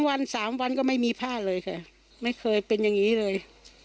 วันสามวันก็ไม่มีผ้าเลยค่ะไม่เคยเป็นอย่างนี้เลย